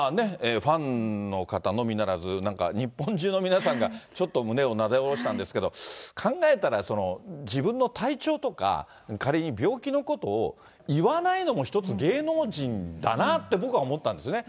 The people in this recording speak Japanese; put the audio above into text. ファンの方のみならず、なんか日本中の皆さんが、ちょっと胸をなでおろしたんですけれども、考えたら、自分の体調とか、仮に病気のことを言わないのも一つ、芸能人だなって僕は思ったんですよね。